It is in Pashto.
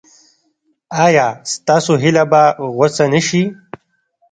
ایا ستاسو هیله به غوڅه نشي؟